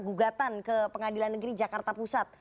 gugatan ke pengadilan negeri jakarta pusat